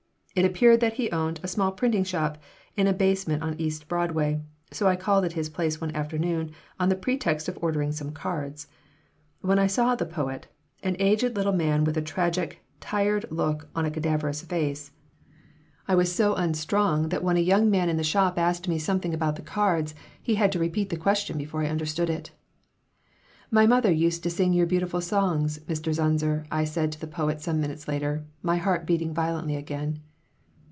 It appeared that he owned a small printing shop in a basement on East Broadway, so I called at his place one afternoon on the pretext of ordering some cards. When I saw the poet an aged little man with a tragic, tired look on a cadaverous face I was so unstrung that when a young man in the shop asked me something about the cards, he had to repeat the question before I understood it "My mother used to sing your beautiful songs, Mr. Zunzer," I said to the poet some minutes later, my heart beating violently again.